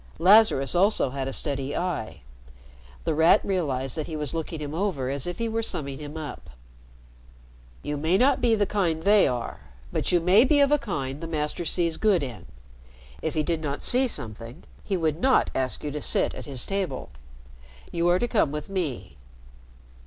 Lazarus also had a steady eye. The Rat realized that he was looking him over as if he were summing him up. "You may not be the kind they are, but you may be of a kind the Master sees good in. If he did not see something, he would not ask you to sit at his table. You are to come with me."